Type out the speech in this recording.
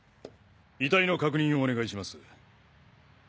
遺体の確認をお願いします。